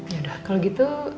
yaudah kalau gitu